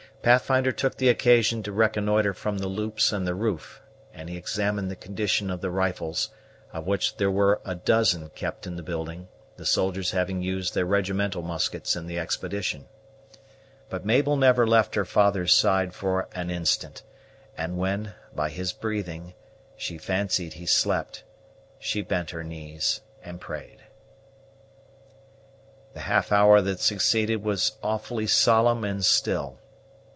Pathfinder took the occasion to reconnoitre from the loops and the roof, and he examined the condition of the rifles, of which there were a dozen kept in the building, the soldiers having used their regimental muskets in the expedition. But Mabel never left her father's side for an instant; and when, by his breathing, she fancied he slept, she bent her knees and prayed. The half hour that succeeded was awfully solemn and still.